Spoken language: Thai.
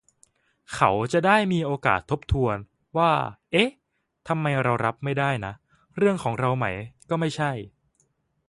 เขาจะได้มีโอกาสทบทวน ว่า เอ๊ะ ทำไมเรารับไม่ได้นะ เรื่องของเราไหมก็ไม่ใช่